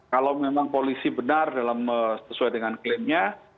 kalau memang polisi benar dalam sesuai dengan klaimnya